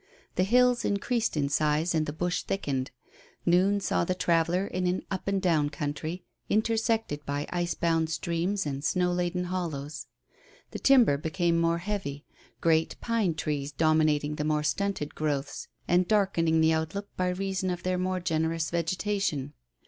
The hills increased in size and the bush thickened. Noon saw the traveller in an "up and down" country intersected by icebound streams and snow laden hollows. The timber became more heavy, great pine trees dominating the more stunted growths, and darkening the outlook by reason of their more generous vegetation.